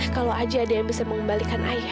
kalau aja ada yang bisa mengembalikan ayah